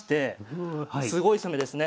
すごい攻めですね。